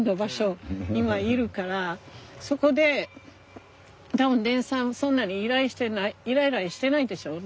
今いるからそこで多分デンさんはそんなにイライラしてないでしょう？